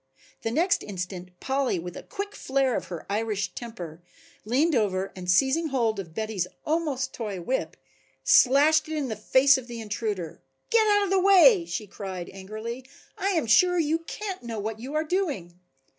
The next instant Polly with a quick flare of her Irish temper, leaned over and seizing hold of Betty's almost toy whip, slashed it in the face of the intruder. "Get out of the way," she cried angrily. "I am sure you can't know what you are doing."